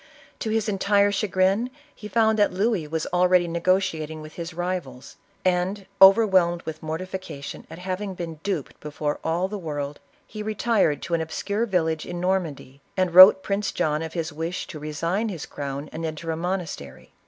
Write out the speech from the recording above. To his entire chagrin, he found that Louis was already negotiating with his rivals, and, overwhelmed with mortification at having been duped before all the world, he retired to an obscure village in Normandy, and wrote Prince John of his wish to resign his crown and enter a monastery.